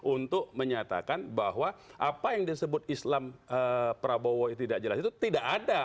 untuk menyatakan bahwa apa yang disebut islam prabowo tidak jelas itu tidak ada